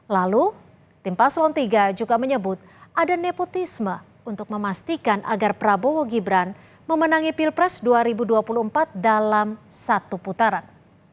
lalu tim paslon tiga juga menyebut ada nepotisme untuk memastikan agar prabowo gibran memenangi pilpres dua ribu dua puluh empat dalam satu putaran